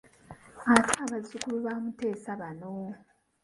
Ate abazzukulu ba Muteesa bano.